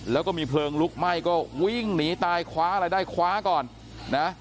แล้วก็มีเพลิงลุกไหม้ก็วิ่งหนีตายคว้าอะไรได้คว้าก่อนนะ